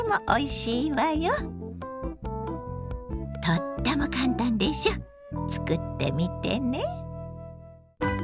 とっても簡単でしょ作ってみてね。